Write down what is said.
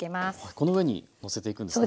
この上にのせていくんですね。